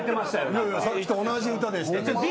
いやいやさっきと同じ歌でした。